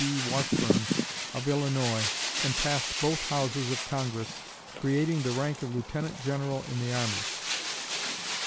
B. Washburne, of Illinois, and passed both houses of Congress, creating the rank of Lieutenant General in the army.